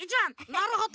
なるほど。